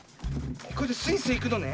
これでスイスイいくのね。